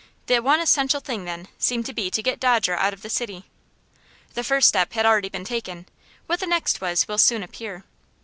The one essential thing, then, seemed to be to get Dodger out of the city. The first step had already been taken; what the next was will soon appear.